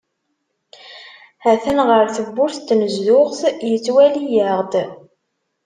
Ha-t-an ɣer tewwurt n tnezduɣt, yettwali-aɣ-d.